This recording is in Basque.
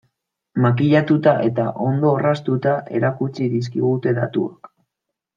Makillatuta eta ondo orraztuta erakutsi dizkigute datuok.